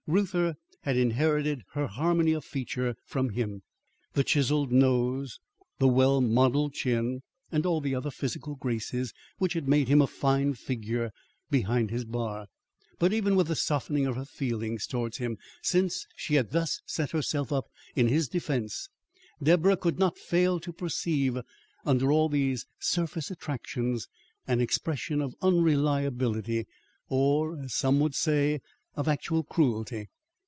Reuther had inherited her harmony of feature from him, the chiselled nose, the well modelled chin, and all the other physical graces which had made him a fine figure behind his bar. But even with the softening of her feelings towards him since she had thus set herself up in his defence, Deborah could not fail to perceive under all these surface attractions an expression of unreliability, or, as some would say, of actual cruelty.